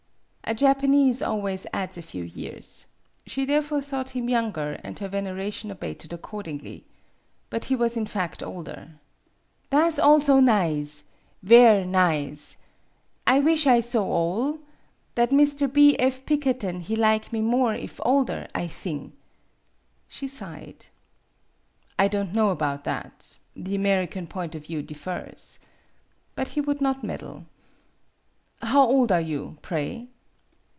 A Japanese always adds a few years. She therefore thought him younger, and her veneration abated accordingly. But he was in fact older. "Tha' 's also nize ver' nize. I wish I so ole. That Mr. B. F. Pikkerton he lig me more if I older, I thing." She sighed. "I don't know about that. The Ameri can point of view differs." But he would not meddle. " How old are you, pray